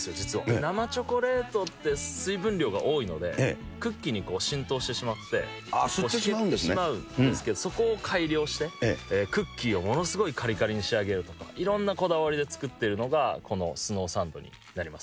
生チョコレートって水分量が多いので、クッキーに浸透してしまって、しけってしまうんですけど、そこを改良して、クッキーをものすごくかりかりに仕上げるとか、いろんなこだわりで作っているのが、このスノーサンドになります。